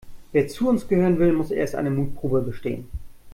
Wer zu uns gehören will, muss erst eine Mutprobe bestehen.